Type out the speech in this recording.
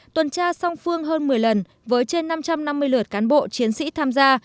tuần tra song phương hơn một mươi lần với trên năm trăm năm mươi lượt cán bộ chiến sĩ tham gia